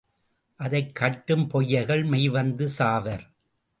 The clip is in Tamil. அதைக் கட்டும் பொய்யர்கள் மெய் வெந்து சாவர்.